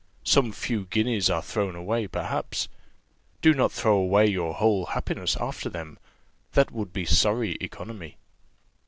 Some few guineas are thrown away, perhaps; do not throw away your whole happiness after them that would be sorry economy.